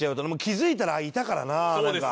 気づいたらいたからななんか。